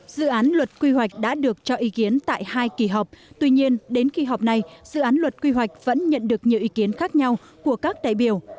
dự án luật quy hoạch đã được cho ý kiến tại hai kỳ họp tuy nhiên đến khi họp này dự án luật quy hoạch vẫn nhận được nhiều ý kiến khác nhau của các đại biểu